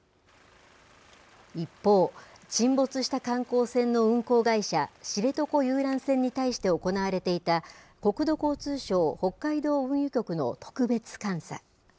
一方、沈没した観光船の運航会社、知床遊覧船に対して行われていた、国土交通省北海道運輸局の特別監査。